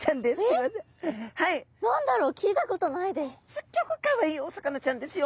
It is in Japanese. すっギョくかわいいお魚ちゃんですよ。